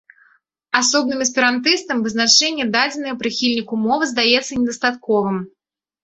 Асобным эсперантыстам вызначэнне дадзенае прыхільніку мовы здаецца недастатковым.